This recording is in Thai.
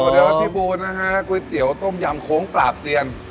เดี๋ยวครับพี่บูนะฮะก๋วยเตี๋ยวต้มยำโค้งปราบเซียน